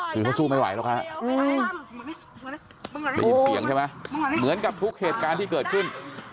คือเขาสู้ไม่ไหวหรอกฮะได้ยินเสียงใช่ไหมเหมือนกับทุกเหตุการณ์ที่เกิดขึ้น